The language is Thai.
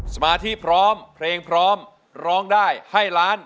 สมาธิพร้อมเพลงพร้อมร้องได้ให้ล้าน